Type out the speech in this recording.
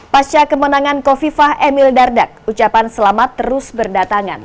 pasca kemenangan kofifah emil dardak ucapan selamat terus berdatangan